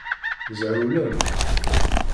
Zɛewlen.